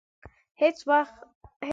هیڅ وخت یې مشخص حدود نه وه معلوم.